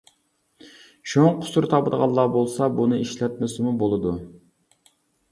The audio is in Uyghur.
شۇڭا قۇسۇر تاپىدىغانلار بولسا، بۇنى ئىشلەتمىسىمۇ بولىدۇ.